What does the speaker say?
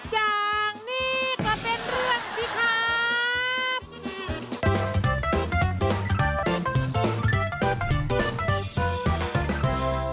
อย่างนี้ก็เป็นเรื่องสิครับ